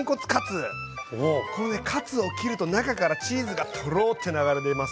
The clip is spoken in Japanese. このねカツを切ると中からチーズがトロッて流れ出ます。